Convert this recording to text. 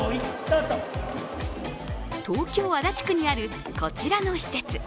東京・足立区にあるこちらの施設。